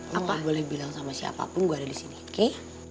lo gak boleh bilang sama siapapun gue ada disini oke